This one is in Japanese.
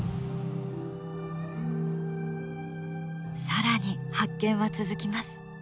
更に発見は続きます。